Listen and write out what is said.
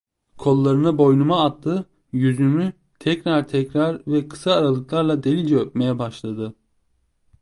Kollarını boynuma attı; yüzümü tekrar tekrar ve kısa aralıklarla delice öpmeye başladı.